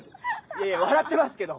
いや笑ってますけど。